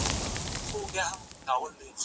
که وخت وي، چپنه پاکوم!؟